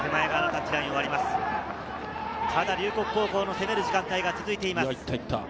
ただ龍谷高校の攻める時間帯が続いています。